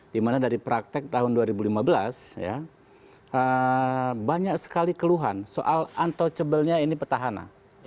dimana dari praktek tahun dua ribu lima belas banyak sekali keluhan soal untouchable nya ini petahana